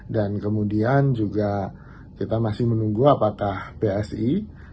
dan kemudian juga kita masih menunggu apakah psi